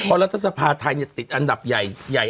เพราะรัฐสะพาธัยน่ะติดอันดับใหญ่ใหญ่